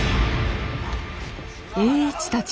栄一たち